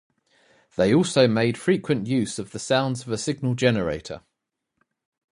They also made frequent use of the sounds of a signal generator.